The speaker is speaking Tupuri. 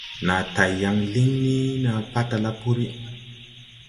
Naa tay yaŋ liŋ ni naa patala puri.